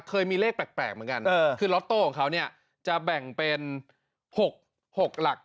เคยมีเลขแปลกเหมือนกันคือล็อตโต้ของเขาเนี่ยจะแบ่งเป็น๖หลัก